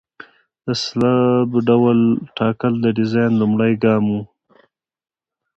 د سلب ډول ټاکل د ډیزاین لومړی ګام دی